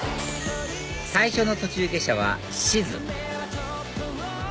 最初の途中下車は志津